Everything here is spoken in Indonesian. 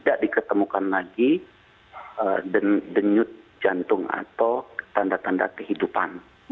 tidak diketemukan lagi denyut jantung atau tanda tanda kehidupan